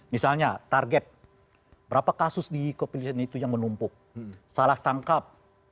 misalnya target berapa kasus di kepolisian itu yang menumpuk salah tangkap